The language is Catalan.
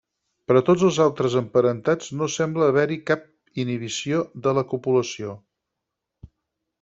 Per tots els altres emparentats, no sembla haver-hi cap inhibició de la copulació.